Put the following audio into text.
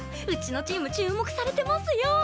うちのチーム注目されてますよ！